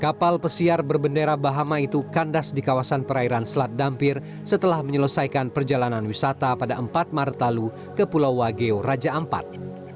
kapal pesiar berbendera bahama itu kandas di kawasan perairan selat dampir setelah menyelesaikan perjalanan wisata pada empat maret lalu ke pulau wageo raja ampat